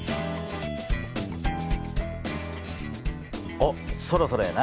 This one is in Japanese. おっそろそろやな。